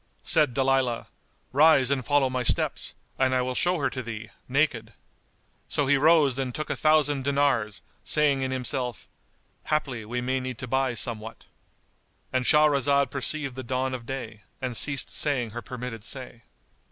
'" Said Dalilah, "Rise and follow my steps, and I will show her to thee, naked."[FN#193] So he rose and took a thousand dinars, saying in himself, "Haply we may need to buy somewhat"——And Shahrazad perceived the dawn of day and ceased saying her permitted say.